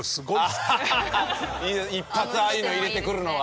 犬一発ああいうの入れてくるのは。